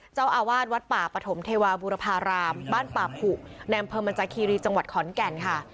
เจ้าอาวาสวัดป่าปฐมเทวาบุรพารามบ้านป่าผุในอำเภอมันจาคีรีจังหวัดขอนแก่นค่ะ